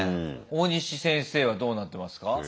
大西先生はどうなってますか？